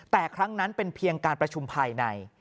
แต่ครั้งนั้นเป็นเพียงการประชุมภายใน